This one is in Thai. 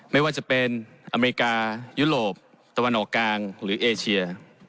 ไม่ว่าจะเป็นอเมริกายุโรปตะวันออกกลางหรือเอเชีย